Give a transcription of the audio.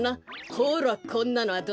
ほらこんなのはどう？